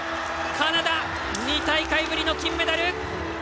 カナダ、２大会ぶりの金メダル！